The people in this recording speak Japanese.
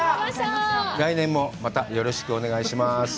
来年もまたよろしくお願いします。